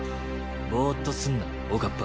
ボーッとすんなおかっぱ。